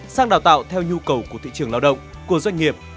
sang đào tạo theo nhu cầu của thị trường lao động của doanh nghiệp